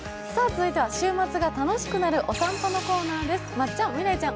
続いては週末が楽しくなるお散歩のコーナーです。